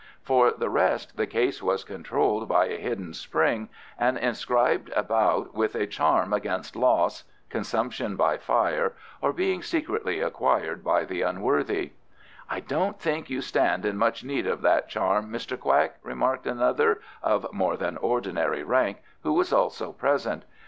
For the rest the case was controlled by a hidden spring, and inscribed about with a charm against loss, consumption by fire, or being secretly acquired by the unworthy." "I don't think you stand in much need of that charm, Mr. Quack," remarked another of more than ordinary rank, who was also present.